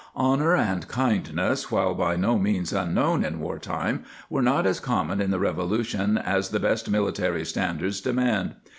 Honor and kindness, while by no means un known in war time, were not as common in the Revolution as the best military standards demand.